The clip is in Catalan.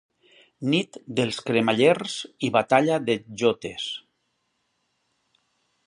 Nit dels Cremallers i ballada de jotes.